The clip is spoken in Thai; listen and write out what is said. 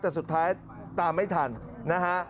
แต่สุดท้ายตามไม่ทันนะฮะ